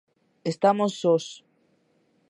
Estamos sós.